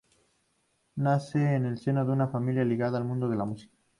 Nace en el seno de una familia ligada al mundo de la música.